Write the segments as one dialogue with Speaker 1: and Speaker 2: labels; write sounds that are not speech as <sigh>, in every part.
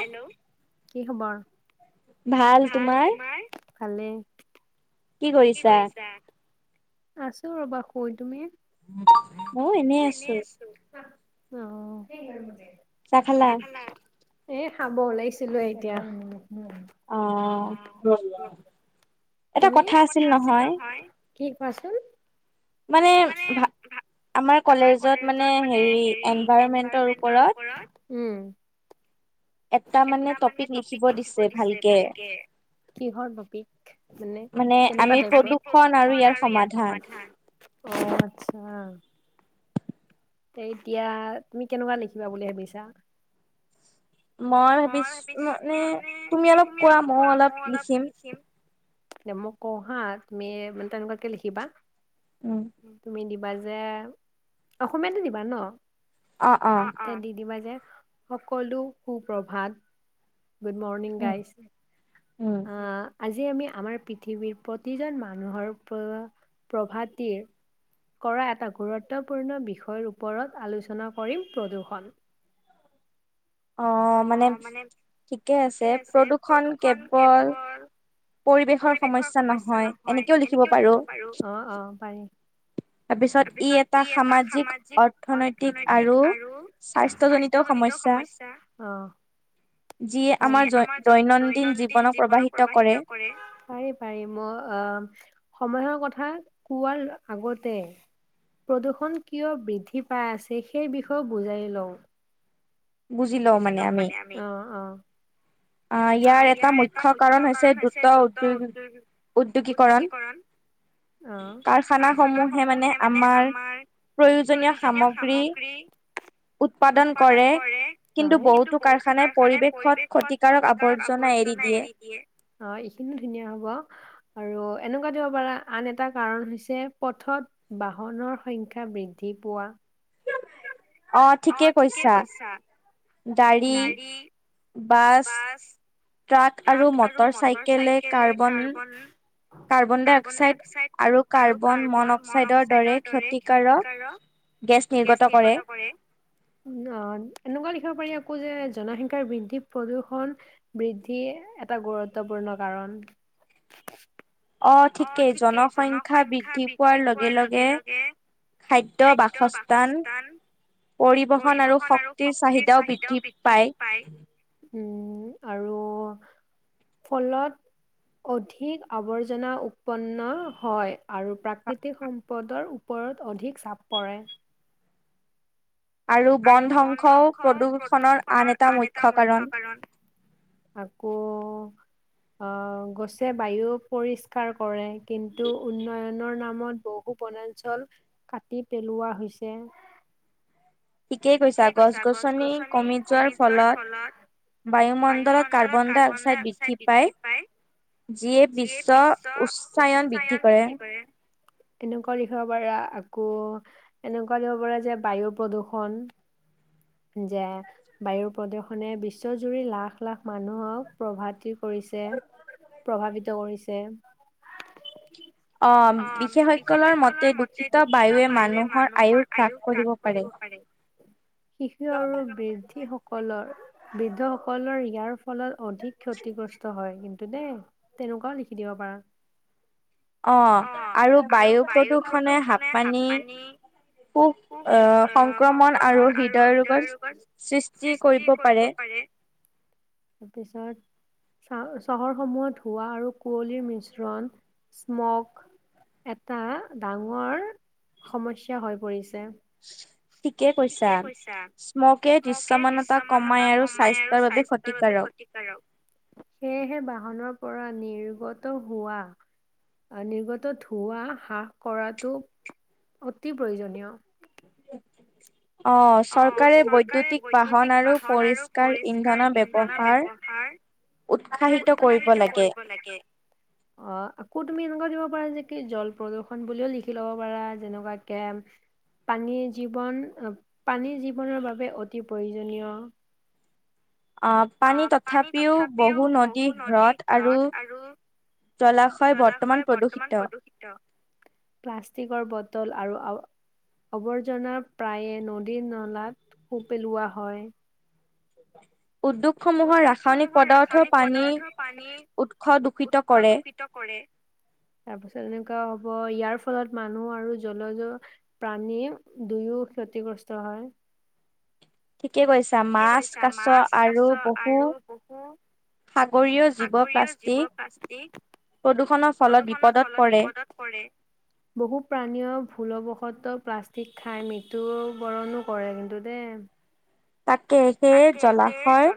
Speaker 1: Hello কি খবৰ, ভাল তোমাৰ ভালেই। কি কৰিছা? আছো ৰ'বা শুই তুমি
Speaker 2: ময়ো
Speaker 1: মই
Speaker 2: আছো
Speaker 1: এনেই আছোঁ। অ, ' চাহ খালা? এ খাব ওলাইছিলোৱে এতিয়া।
Speaker 2: অ <inaudible>
Speaker 1: তুমি এটা কথা আছিল নহয় কি কোৱাচোন।
Speaker 2: মানে ভা আমাৰ কলেজত মানে হেৰি এনভাইৰণমেন্টৰ ওপৰত
Speaker 1: উম।
Speaker 2: এটা মান
Speaker 1: এটা মানে টপিক লিখিব দিছে ভালকে। কিহৰ টপিক? মানে কেনেকুৱা টাইপৰ? আমি প্ৰদূ্ষণ আৰু ইয়াৰ সমাধান? অ', আচ্ছা। তে এতিয়া তুমি কেনেকুৱা লিখিবা বুলি ভাবিছা? মই ভাবিছো মানে, তুমি অলপ কোৱা ময়ো অলপ লিখিম। এ মোক কওঁ হা, তুমি মানে তেনেকুৱাকে লিখিবা
Speaker 2: উম।
Speaker 1: তুমি দিবা যে, অসমীয়াতে দিবা ন? অ', অ'। তে দি দিবা যে, সকলো সু প্ৰভাত good morning
Speaker 2: um
Speaker 1: guys,
Speaker 2: um
Speaker 1: অ' আজি আমি আমাৰ পৃথিৱীৰ প্ৰতিজন মানুহৰ ওপৰত প্ৰভাতিৰ কৰা এটা গুৰুত্বপূৰ্ণ বিষয়ৰ ওপৰত আলোচনা কৰিম, প্ৰদূ্ষণ। অ', মানে ঠিকে আছে। প্ৰদূ্ষণ কেৱল পৰিৱেশৰ সমস্যা নহয়, এনেকেও লিখিব পাৰো। অ', অ', পাৰে।
Speaker 2: তাৰপিছত ই এটা সামাজিক,
Speaker 1: অৰ্থ
Speaker 2: অৰ্থনৈতিক আৰু
Speaker 1: স্বাস্থ্য
Speaker 2: স্বাস্থ্যজনিত সমস্যা। যিয়ে আমাৰ জৈ-দৈনন্দিন জীৱনক প্ৰবাহিত কৰে।
Speaker 1: পাৰি, পাৰি। মই অ' সময়ৰ কথা কোৱাৰ আগতে প্ৰদূৰণ কিয় বৃদ্ধি পাই আছে, সেই বিষয়েও বুজাই লওঁ।
Speaker 2: বুজি লওঁ মানে আমি। ইয়াৰ এটা মুখ্য কাৰণ হৈছে দ্ৰুত উদ্যোগ উদ্যোগীকৰণ।
Speaker 1: অ'।
Speaker 2: কাৰখানা
Speaker 1: কাৰখানাসমূহে
Speaker 2: সমূহে মানে আমাৰ প্ৰয়োজনীয় সামগ্ৰী উৎপাদন কৰে। কিন্তু বহুতো কাৰখানাই পৰিৱেশত ক্ষতিকাৰক
Speaker 1: ক্ষতিকাৰক আৱৰ্জনা এৰি দিয়ে। অ', এইখিনিও ধুনীয়া হ'ব। আৰু এনেকুৱা দিব পাৰ, আন এটা কাৰণ হৈছে পথত বাহনৰ সংখ্যা বৃদ্ধি পোৱা
Speaker 2: অ', ঠিকে কৈছা। গাড়ী, বাছ ট্ৰাক
Speaker 1: ট্ৰাক
Speaker 2: আৰু মটৰ চাইকেলে কাৰ্বন কাৰ্বন ডাই অক্সাইড আৰু কাৰ্বন মন অক্সাইডৰ দৰে ক্ষতিকাৰক
Speaker 1: দক্ষিকাৰক
Speaker 2: গেছ নিৰ্গত কৰে।
Speaker 1: অ', এনেকুৱা লিখিব পাৰি আকৌ যে, জনসংখ্যাৰ বৃদ্ধি প্ৰদূষণ বৃদ্ধিয়ে এটা গুৰুত্বপূৰ্ণ কাৰণ।
Speaker 2: <inaudible>
Speaker 1: অ', ঠিকেই। জনসংখ্যা বৃদ্ধি পোৱাৰ লগে-লগে খাদ্য, বাসস্থান পৰিবহন আৰু শক্তিৰ চাহিদাও বৃদ্ধি পায়। উম, আৰু ফলত অধিক আৱৰ্জনা উৎপন্ন হয়। আৰু প্ৰাকৃতিক সম্পদৰ ওপৰত অধিক চাপ পৰে। আৰু বনধ্বংস প্ৰদূষণৰ আন এটা মুখ্য কাৰণ। আকৌ আঁহ গছে বায়ু পৰিষ্কাৰ কৰে। কিন্তু উন্নয়নৰ নামত বহু বনাঞ্চল কাটি পেলোৱা হৈছে। ঠিকেই কৈছা, গছ গছনি কমি যোৱাৰ ফলত বায়ুমণ্ডলত কৰ্বনডাই অক্সাইড বৃদ্ধি পায়। যিয়ে বিশ্ব উচ্চায়ন বৃদ্ধি কৰে। এনেকুৱা দেখিব পাৰা, আকৌ এনেকুৱা দেখিব পাৰা যে বায়ু প্ৰদূৰষণ। যে বায়ু প্ৰদূ্ষনে বিশ্বজুৰি লাখ লাখ মানুহক প্ৰভাতি কৰিছে। প্ৰভাৱিত কৰিছে।
Speaker 2: <inaudible> অঁ,
Speaker 1: অ',
Speaker 2: বিশেষসৈকলৰ
Speaker 1: বিশেষজ্ঞসকলৰ
Speaker 2: মতে দূষিত বায়ুৱে মানুহৰ আয়ুস হ্ৰাস কৰিব পাৰে।
Speaker 1: শিশু আৰু বৃদ্ধি সকলৰ বৃদ্ধ সকলৰ ইয়াৰ ফলত অধিক ক্ষতিগ্ৰস্ত হয় কিন্তু দেই, তেনেকুৱাও লিখি দিব
Speaker 2: অ',
Speaker 1: পাৰা। অঁ আৰু বায়ু
Speaker 2: প্ৰদূষণে
Speaker 1: প্ৰদূৰষণে হাপ
Speaker 2: হাঁপানি,
Speaker 1: পানী উম, সংক্ৰমণ আৰু হৃদয় ৰোগৰ সৃষ্টি কৰিব পা ৰি, তাৰপিছত চা চহৰসমূহত ধৱা আৰু কুঁৱলীৰ মিশ্ৰণ স্মক। এটা ডাঙৰ সমস্যা হৈ পৰিছে।
Speaker 2: <inaudible> ঠিকে কৈছা, স্মকে
Speaker 1: স্মকিং
Speaker 2: দৃশ্যমানতা কমাই আৰু স্বাস্থ্যৰ বাবে ক্ষতিকাৰক।
Speaker 1: সেয়েহে বাহনৰ পৰা নিৰ্গত হোৱা, নিৰ্গত ধোৱা হ্ৰাস কৰাতটো অতি প্ৰয়োজনীয়।
Speaker 2: <inaudible> আঁহ
Speaker 1: অ',
Speaker 2: চৰকাৰে
Speaker 1: চৰকাৰে
Speaker 2: বৈদ্যুতিক বাহন আৰু পৰিষ্কাৰ ইন্ধনৰ ব্যৱহাৰ, উৎসাহিত কৰিব লাগে।
Speaker 1: লাগে। অঁ আকৌ তুমি এনেকুৱা দিব পাৰা যে কি জল প্ৰদূৰ্ষণ বুলিও লিখি লব পাৰা যেনেকুৱাকে। পানীৰ জীৱন, পানীৰ জীৱনৰ বাবে অতি প্ৰয়োজনীয়।
Speaker 2: আঁহ
Speaker 1: অ', পানীত
Speaker 2: তথাপিওঁ
Speaker 1: পিও
Speaker 2: বহু নদী হৃদ আৰু জলাশয়
Speaker 1: জলা
Speaker 2: বৰ্তমান প্ৰদূষিত।
Speaker 1: প্লাষ্টিকৰ বটল আৰু আও আৱৰ্জনা প্ৰায়ে নদীৰ নলাত সো পেলোৱা হয়।
Speaker 2: উদ্যোগ সমূহৰ ৰাসায়নিক পদাৰ্থ পানী উৎস দূষিত কৰে। <inaudible>
Speaker 1: তাৰ পিছত এনেকুৱা হ'ব, ইয়াৰ ফলত মানুহ আৰু জলজ প্ৰণী দুয়ো ক্ষতিগ্ৰস্ত হয়।
Speaker 2: ঠিকে কৈছা, মাছ, কাছ
Speaker 1: মাছ
Speaker 2: আৰু বহু
Speaker 1: আৰু
Speaker 2: সাগৰীয় জীৱ
Speaker 1: সাগৰীয়
Speaker 2: প্লাষ্টিক প্ৰদূষণৰ ফলত বিপদত পৰে।
Speaker 1: কৰে। বহু প্ৰাণীয় ভুলবশত প্লাষ্টিক খাই মৃত্যুবৰণো কৰে কিন্তু দেই।
Speaker 2: তাকে, সেয়ে জলাশয়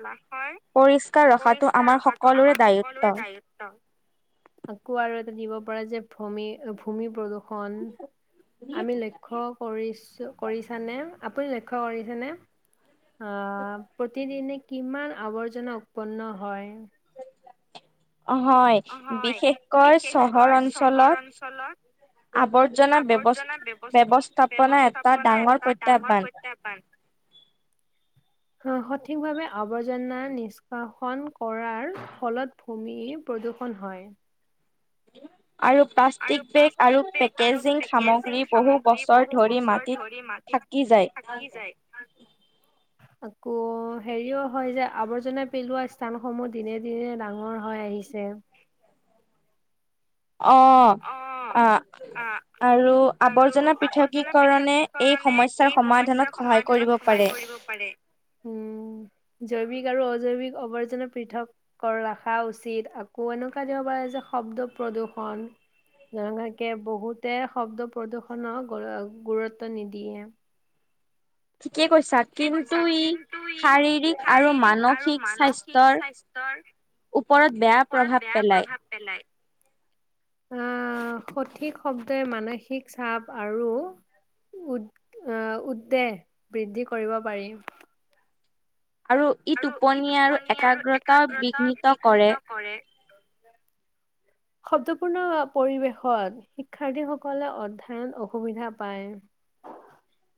Speaker 2: পৰিষ্কাৰ ৰখাতো আমাৰ সকলোৰে দায়িত্ব।
Speaker 1: আকৌ আৰু এটা দিব পৰা যে, ভূমি ভূমি প্ৰদূ্ষণ আমি লক্ষ্য কৰিছো কৰিছানে আপুনি লক্ষ্য কৰিছানে? আহ প্ৰতিদিনে কিমান আৱৰ্জনা উৎপন্ন হয়।
Speaker 2: অ হয়, বিশেষকৈ চহৰ অঞ্চলত আৱৰ্জনা ব্যৱ-ব্যৱস্থাপনা এটা
Speaker 1: প্ৰণায়ত
Speaker 2: ডাঙৰ প্ৰত্যাহ্বান।
Speaker 1: সঠিকভাৱে আৱৰ্জনা নিষ্কাশন কৰাৰ ফলত ভূমি প্ৰদূষণ হয়।
Speaker 2: আৰু
Speaker 1: আৰু
Speaker 2: প্লাষ্টিক বেগ আৰু
Speaker 1: পেক
Speaker 2: পেকেজিং
Speaker 1: পেকেজিং
Speaker 2: সামগ্ৰী বহু বছৰ ধৰি মাটিত থাকি যায়।
Speaker 1: আকৌ হেৰিও হয় যে আৱৰ্জনা পেলোৱা স্থানসমূহ দিনে দিনে ডাঙৰ হৈ আহিছে।
Speaker 2: অ, আহ আৰু আৱৰ্জনা পৃথকীকৰণে
Speaker 1: কি
Speaker 2: এই
Speaker 1: কাৰণে
Speaker 2: সমস্যাৰ
Speaker 1: এই
Speaker 2: সমাধানত সহায় কৰিব পাৰে।
Speaker 1: ঘটিব পাৰে। উম,
Speaker 2: <inaudible>
Speaker 1: জৈৱিক আৰু অজৈৱিক আৱৰ্জনা পৃথক ৰখা উচিত আকৌ এনেকুৱা দিব পাৰে যে শব্দ প্ৰদূৰ্ষণ যেনেকে বহুতে শব্দ প্ৰদূ্ষনৰক গুৰুত্ব নিদিয়ে।
Speaker 2: ঠিকে কৈছ চা
Speaker 1: ঠিকেই কৈছে।
Speaker 2: কিন্তু ই
Speaker 1: কিন্তু ই
Speaker 2: শাৰীৰিক আৰু
Speaker 1: শাৰীৰিক
Speaker 2: মানসিক স্বাস্থ্যৰ ওপৰত বেয়া প্ৰভাৱ পেলাই।
Speaker 1: প্ৰভাৱ পেলাই। আহ, সঠিক শব্দই মানসিক চাপ আৰু উদ আহ, উদ্বেগ বৃদ্ধি কৰিব পাৰি।
Speaker 2: আৰু ই টোপনি আৰু একাগ্ৰতা বিঘ্নিত কৰে।
Speaker 1: কৰে। শব্দপূৰ্ণ পৰিৱেশত শিক্ষাৰ্থীসকলে অধ্যয়ন অসুবিধা পায়।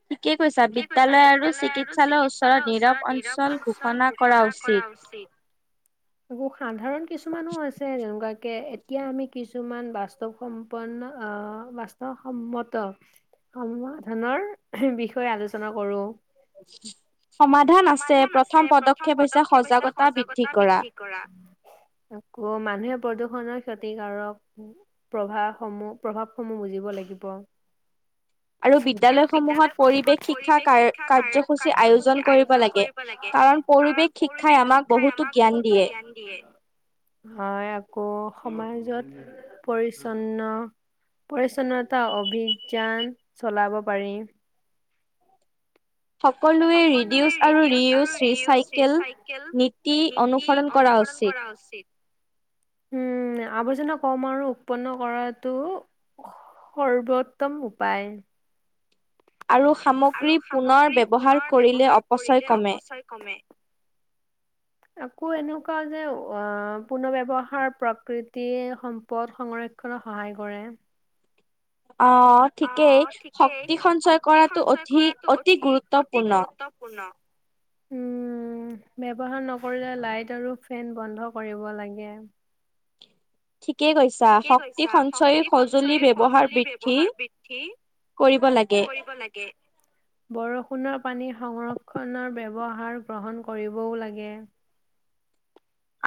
Speaker 2: ঠিকে কৈছা। বিদ্যালয় আৰু চিকিৎসালয়ৰ ওচৰত নীৰৱ অঞ্চল ঘোষণা কৰা উচিত।
Speaker 1: আকৌ সাধাৰণ কিছুমানো আছে যেনেকুৱাকে এতিয়া আমি কিছুমান বাস্তৱ সম্পন্ন আহ, বাস্তৱসন্মত সমাধানৰ বিষয়ে আলোচনা কৰো। সমাধান আছে, প্ৰথম পদক্ষেপ হৈছে সজাগতা বৃদ্ধি কৰা। আকৌ মানুহে প্ৰদূষণৰ ক্ষতিকাৰক প্ৰভাস সমূহ প্ৰভাৱসমূহ বুজিব লাগিব। আৰু বিদ্যালয়সমূহত
Speaker 2: শিক্ষা
Speaker 1: পৰিৱেশ
Speaker 2: কাৰ
Speaker 1: শিক্ষা
Speaker 2: কাৰ্যসূচী আয়োজন
Speaker 1: কাৰ-কাৰ্যসূচীৰ আয়োজন কৰিব ব লাগে,
Speaker 2: কাৰণ পৰিৱেশ
Speaker 1: কাৰণ
Speaker 2: শিক্ষাই
Speaker 1: পৰিৱেশ
Speaker 2: আমাক
Speaker 1: শিক্ষাই
Speaker 2: বহুতো
Speaker 1: আমাক
Speaker 2: জ্ঞান
Speaker 1: বহুতো
Speaker 2: দিয়ে।
Speaker 1: জ্ঞান দিয়ে। হয় আকৌ সমাজত পৰিচ্ছন্ন পৰিচ্ছন্নতা অভিযান চলাব পাৰি।
Speaker 2: সকলোৱে
Speaker 1: সকলোৱে
Speaker 2: ৰিডিউচ আৰু
Speaker 1: ৰিডিউজ
Speaker 2: ৰিউজ
Speaker 1: আৰু ৰিইউজ
Speaker 2: ৰিচাইকেল
Speaker 1: ৰিচাইকেল
Speaker 2: নীতি
Speaker 1: নীতি
Speaker 2: অনুসৰণ কৰা
Speaker 1: অনুসৰণ
Speaker 2: উচিত।
Speaker 1: কৰা উচিত।
Speaker 2: <inaudible>
Speaker 1: উম আৱৰ্জনা কম আৰু উৎপন্ন কৰাটো সৰ্বোত্তম উপাই।
Speaker 2: আৰু
Speaker 1: আৰু
Speaker 2: সামগ্ৰী পুনৰ
Speaker 1: সামগ্ৰী
Speaker 2: ব্যৱহাৰ
Speaker 1: পুনৰ
Speaker 2: কৰিলে
Speaker 1: ব্যৱহাৰ
Speaker 2: অপচয়
Speaker 1: কৰিলে
Speaker 2: কমে।
Speaker 1: অপচয় কমে।
Speaker 2: <inaudible>
Speaker 1: আকৌ এনেকুৱা যে আ পুনৰ ব্যৱহাৰ প্ৰকৃতি সম্পদ সংৰক্ষ ক্ষণত সহায় কৰে।
Speaker 2: অঁ। ঠিকেই, শক্তি সঞ্চয় কৰাটো অধিক অতি গুৰুত্বপূৰ্ণ। <unintelligible>
Speaker 1: উম, ব্যৱহাৰ নকৰিলে লাইট আৰু ফেন বন্ধ কৰিব লাগে।
Speaker 2: ঠিকেই কৈছা শক্তি সঞ্চয় সঁজুলি ব্যৱহাৰ বৃদ্ধি কৰিব লাগে।
Speaker 1: কৰিব লাগে। বৰষুণৰ পানী সংৰক্ষণৰ ব্যৱহাৰ গ্ৰহণ কৰিবও লাগে।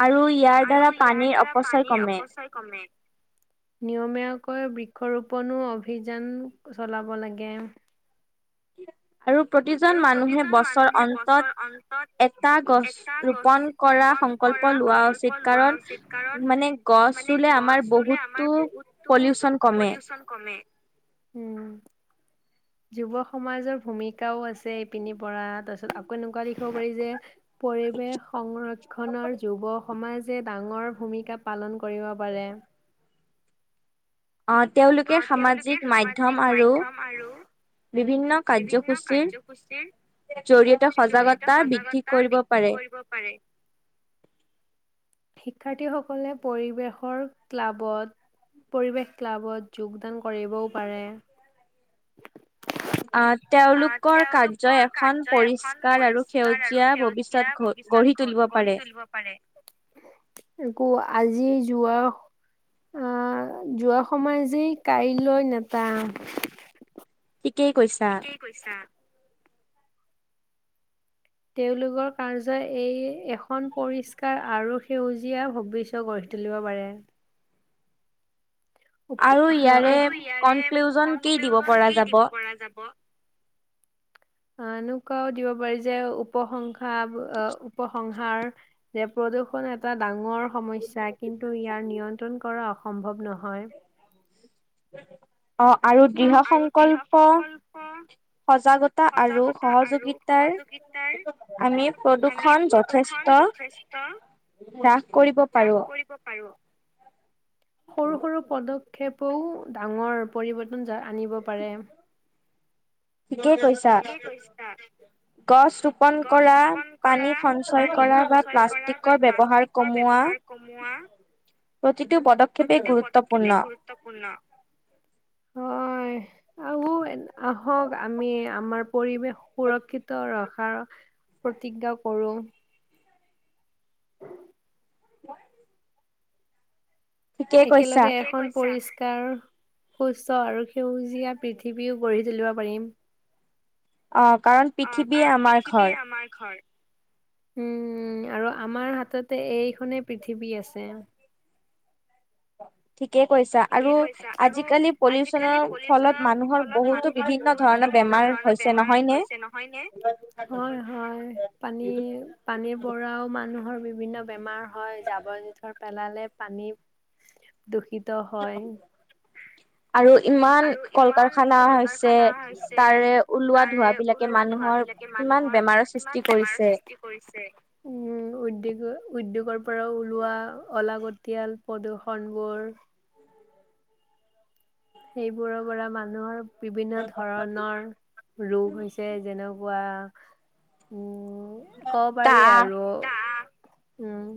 Speaker 2: আৰু ইয়া
Speaker 1: আৰু ইয়াৰ দ্বাৰা পানীৰ অপচয় কমে। নিয়মীয়াকৈ বৃক্ষৰোপণো অভিযান চলাব লাগে।
Speaker 2: আৰু প্ৰতিজন মানুহে
Speaker 1: মানুহ
Speaker 2: বছৰ অন্তত
Speaker 1: বছৰ অন্তত
Speaker 2: এটা গছ
Speaker 1: এটা
Speaker 2: ৰোপন কৰা সংকল্প
Speaker 1: কৰা
Speaker 2: লোৱা
Speaker 1: সংকল্প
Speaker 2: উচিত।
Speaker 1: লোৱা
Speaker 2: কাৰণ
Speaker 1: উচিত কাৰণ
Speaker 2: মানে গছ
Speaker 1: মানে
Speaker 2: ৰুলে আমাৰ
Speaker 1: ৰুলে আমাৰ
Speaker 2: বহুতো পলিউশ্যন কমে।
Speaker 1: কমে, উমঁ। যুৱ সমাজৰ ভূমিকাও আছে ইপিনি পৰা তাৰ পিছত আকৌ এনেকুৱা লিখিব পাৰি যে পৰিৱেশ সংৰক্ষণৰ যুৱ সমাজে ডাঙৰ ভূমিকা পালন কৰিব পাৰে।
Speaker 2: অঁ' তেওঁলোকে
Speaker 1: অধিক
Speaker 2: সামাজিক মাধ্যম আৰু বিভিন্ন
Speaker 1: বিভিন্ন কাৰ্যসূচীৰ
Speaker 2: জৰি়য়তে সজাগতা বৃদ্ধি কৰিব পাৰে।
Speaker 1: দিব পাৰে। শিক্ষাৰ্থীসকলে পৰিৱেশৰ ক্লাবত পৰিৱেশ ক্লাব যোগদান কৰিবও পাৰে। <unintelligible>
Speaker 2: আহ
Speaker 1: আঁ'
Speaker 2: তেওঁলোকৰ কাৰ্যই
Speaker 1: তেওঁলোকৰ
Speaker 2: এখন
Speaker 1: কাৰ্য এখন
Speaker 2: পৰিষ্কাৰ আৰু
Speaker 1: পৰিষ্কাৰ আৰু
Speaker 2: সেউজীয়া ভৱিষ্যত
Speaker 1: সেউজীয়া
Speaker 2: গঢ়ি তুলিব
Speaker 1: গঢ়ি
Speaker 2: পাৰে।
Speaker 1: তুলিব পাৰে। আকৌ আজি যোৱা আহ' যোৱা সময় যি কাইলৈ নেতা।
Speaker 2: ঠিকেই কৈছা।
Speaker 1: কৈছা। তেওঁলোকৰ কাৰ্যই এই এখন পৰিষ্কাৰ আৰু সেউজীয়া ভৱিষ্য গঢ়ি তুলিব পাৰে। আৰু
Speaker 2: ইয়াৰে
Speaker 1: ইয়াৰে
Speaker 2: কনক্লুজন কি দিব
Speaker 1: কনক্লুজন
Speaker 2: পৰা
Speaker 1: কি
Speaker 2: যাব?
Speaker 1: দিব পৰা যাব? এনেকুৱাও দিব পাৰি যে উপসংসা আহ' উপসংসাৰ যে প্ৰদূষণ এটা ডাঙৰ সমস্যা কিন্তু ইয়াৰ নিয়ন্ত্ৰণ কৰা অসম্ভৱ নহয়।
Speaker 2: অঁ' আৰু দৃঢ় সংকল্প সজাগতা আৰু সহযোগিতাৰ
Speaker 1: তাৰ
Speaker 2: আমি প্ৰদূষণ যথেষ্ট
Speaker 1: ত
Speaker 2: হ্ৰাস কৰিব
Speaker 1: নাশ
Speaker 2: পাৰো।
Speaker 1: কৰিব পাৰো। সৰু সৰু পদক্ষেপেও ডাঙৰ পৰিৱৰ্তন আনিব পাৰে।
Speaker 2: ঠিকেই কৈছা।
Speaker 1: ঠিকেই কৈছা।
Speaker 2: গছ ৰোপন
Speaker 1: গছ
Speaker 2: কৰা,
Speaker 1: ৰোপন কৰা,
Speaker 2: পানী সঞ্চয়
Speaker 1: পানী
Speaker 2: কৰা বা
Speaker 1: সঞ্চয় কৰা
Speaker 2: প্লাষ্টিকৰ
Speaker 1: বা
Speaker 2: ব্যৱহাৰ
Speaker 1: প্লাষ্টিকৰ
Speaker 2: কমোৱা
Speaker 1: ব্যৱহাৰ কমোৱা-
Speaker 2: প্ৰতিটো পদক্ষেপেই গুৰুত্বপূৰ্ণ।
Speaker 1: গুৰুত্বপূৰ্ণ। হয়, আউ আহক আমি আমাৰ পৰিৱেশ সুৰক্ষিত ৰখাৰ প্ৰতিজ্ঞা কৰোঁ। <unintelligible>
Speaker 2: <unintelligible> ঠিকেই কৈছা।
Speaker 1: একেলগে এখন পৰিষ্কাৰ সুস্থ আৰু সেউজীয়া পৃথিৱীও গঢ়ি তুলিব পাৰিম।
Speaker 2: অ', কাৰণ
Speaker 1: অ',
Speaker 2: পৃথিৱীয়ে
Speaker 1: কাৰণ
Speaker 2: আমাৰ ঘৰ।
Speaker 1: পৃথিৱীয়ে আমাৰ ঘৰ। উম, আৰু আমাৰ হাততে এইখনেই পৃথিৱী আছে।
Speaker 2: ঠিকেই কৈছা
Speaker 1: ঠিকে
Speaker 2: আৰু
Speaker 1: কৈছা, আৰু
Speaker 2: আজিকালি
Speaker 1: আজিকালি
Speaker 2: পলিউচনৰ ফলত
Speaker 1: পলিউচনৰ
Speaker 2: মানুহৰ
Speaker 1: ফলত
Speaker 2: বহুতো
Speaker 1: মানুহ হৰ
Speaker 2: বিভিন্ন
Speaker 1: বহুতো
Speaker 2: ধৰণৰ
Speaker 1: বিভিন্ন
Speaker 2: বেমাৰ
Speaker 1: ধৰণৰ
Speaker 2: হৈছে
Speaker 1: বেমাৰ
Speaker 2: নহয় নে?
Speaker 1: হৈছে নহয়নে? হয়, হয়, পানী পানীৰ পৰাও মানুহৰ বিভিন্ন বেমাৰ হয়, জাবৰ জোথৰ পেলালে পানী দূষিত হয়।
Speaker 2: <unintelligible> আৰু ইমান কল
Speaker 1: ইমান
Speaker 2: কলকাৰখানা হৈছে তাৰে ওলোৱা
Speaker 1: তাৰে
Speaker 2: ধোৱাবিলাকে মানুহৰ কিমান বেমাৰৰ সৃষ্টি কৰিছে।
Speaker 1: কৰিছে। উম, উদ্যোগ উদ্যোগৰ পৰা ওলোৱা অলাগতিয়াল প্ৰদূৰ্ষনবোৰ। সেইবোৰৰ পৰা মানুহৰ বিভিন্ন ধৰণৰ ৰোগ হৈছে যেনেকুৱা উম। ক'ব পাৰি
Speaker 2: কাহ
Speaker 1: আৰু উম।